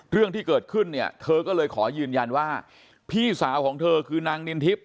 เรื่องที่เกิดขึ้นเนี่ยเธอก็เลยขอยืนยันว่าพี่สาวของเธอคือนางนินทิพย